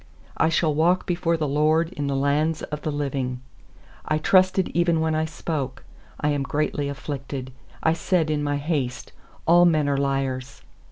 9I shall walk before the LORD In the lands of the living. 10I trusted even when I spoke: 'I am greatly afflicted.' UI said in my haste: 'All men are liars.'